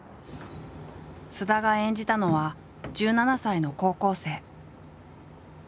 菅田が演じたのは１７歳の高校生。